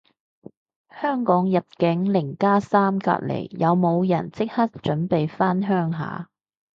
香港入境零加三隔離，有冇人即刻準備返鄉下